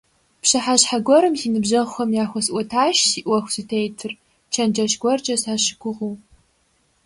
Пщыхьэщхьэ гуэрым си ныбжьэгъухэм яхуэсӀуэтащ си Ӏуэху зытетыр, чэнджэщ гуэркӀэ сащыгугъыу.